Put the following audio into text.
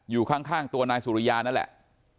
อยู่ข้างตัวนายสุริยานั่นแหละ